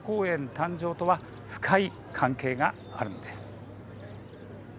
誕生とは深い関係があるんです。